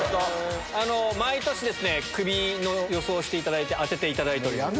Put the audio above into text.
毎年、クビの予想をしていただいて、当てていただいております。